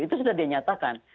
itu sudah dinyatakan